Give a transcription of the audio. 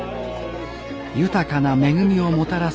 豊かな恵みをもたらす